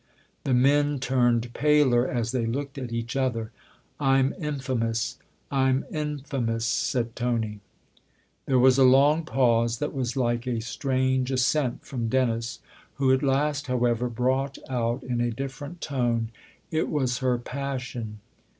The men turned paler as they looked at each other. " I'm infamous I'm infamous," said Tony. There was a long pause that was like a strange assent from Dennis, who at last, however, brought out in a different tone :" It was her passion."